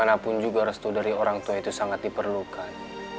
bagaimanapun juga restu dari orang tua itu sangat diperlukan